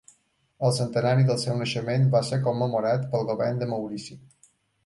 El centenari del seu naixement va ser commemorat pel Govern de Maurici.